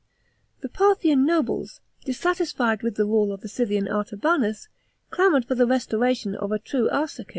The Parthian nobles, dissatisfied with the rule of the Scythian Artabanus, clamoured for the restoration or a true Arsacid.